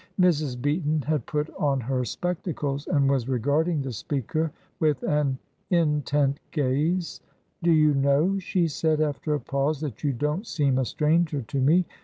Mrs. Beaton had put on her spectacles, and was regarding the speaker with an intent gaze. "Do you know," she said, after a pause, "that you don't seem a stranger to me?